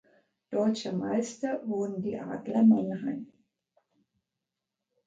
Deutscher Meister wurden die Adler Mannheim.